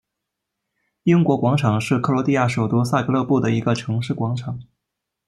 英国广场是克罗地亚首都萨格勒布的一个城市广场。